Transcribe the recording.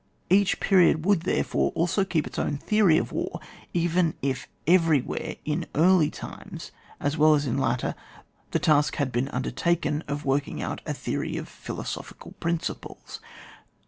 Each period would, therefore, also keep its own theory of war, even if every where, in early times, as well as in later, the task had been imdertaken of working out a theory on philosophical principles.